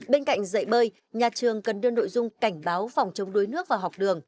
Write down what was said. bên cạnh dạy bơi nhà trường cần đưa nội dung cảnh báo phòng chống đuối nước vào học đường